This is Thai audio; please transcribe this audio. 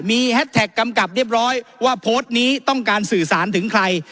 มีแฮสแท็กกำกับเรียบร้อยว่าโพสต์นี้ต้องการสื่อสารถึงใคร